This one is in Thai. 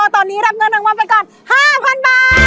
ตอนนี้รับเงินรางวัลไปก่อน๕๐๐๐บาท